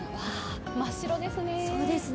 真っ白ですね。